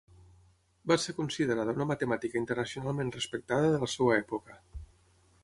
Va ser considerada una matemàtica internacionalment respectada de la seva època.